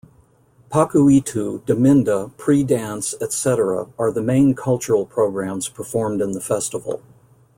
Pakhu-Itu, Daminda, Pree dance, etc., are the main cultural programmes performed in the festival.